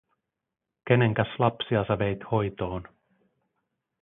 “Kenenkäs lapsia sä veit hoitoon?